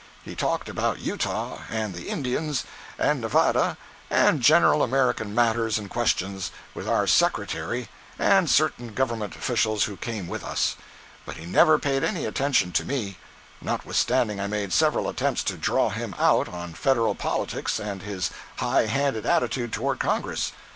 He talked about Utah, and the Indians, and Nevada, and general American matters and questions, with our secretary and certain government officials who came with us. But he never paid any attention to me, notwithstanding I made several attempts to "draw him out" on federal politics and his high handed attitude toward Congress.